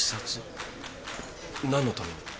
何のために？